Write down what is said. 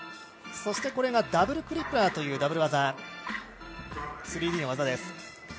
そしてこれがダブルクリップラーというダブル技、３Ｄの技です。